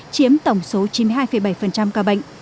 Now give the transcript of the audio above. chiếm tổng số chín mươi hai bảy ca bệnh